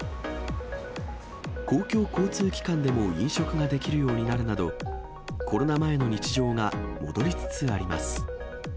公共交通機関でも飲食ができるようになるなど、コロナ前の日常が戻りつつあります。